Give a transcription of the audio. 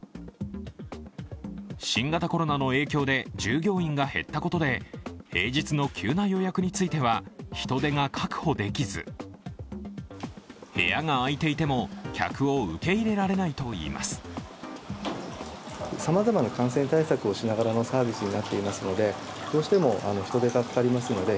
新型コロナの影響で従業員が減ったことで平日の急な予約については人手が確保できず、部屋が空いていても客を受け入れられないといいます。